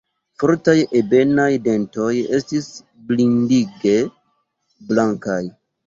Fortaj, ebenaj dentoj estis blindige blankaj.